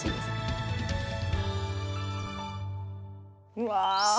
うわ